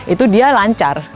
itu dia lancar